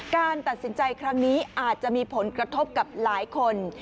การตัดสินใจครั้งนี้อาจจะมีผลกระทบกับหลายคน